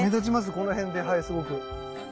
この辺ではいすごく。